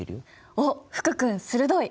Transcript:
おっ福君鋭い！